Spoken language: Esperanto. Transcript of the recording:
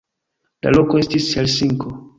La loko estis Helsinko.